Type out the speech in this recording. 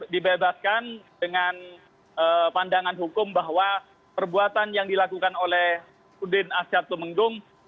dibebaskan dengan pandangan hukum bahwa perbuatan yang dilakukan oleh udin asyad tumenggung